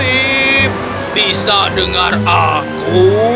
ikan ajaib bisa dengar aku